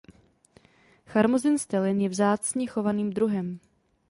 Charmozin Stellin je vzácně chovaným druhem.